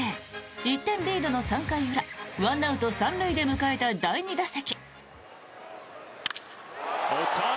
１点リードの３回裏１アウト３塁で迎えた第２打席。